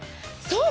そう！